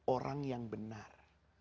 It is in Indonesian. orang yang benar